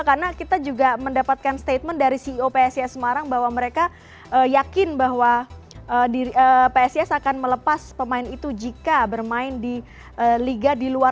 karena kita juga mendapatkan statement dari ceo pscs semarang bahwa mereka yakin bahwa pscs akan melepas pemain itu jika bermain di liga di luar